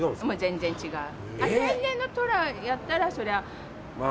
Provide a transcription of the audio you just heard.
全然違う。